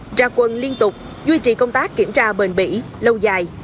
trà quần liên tục duy trì công tác kiểm tra bền bỉ lâu dài